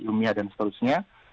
ilmiah dan seterusnya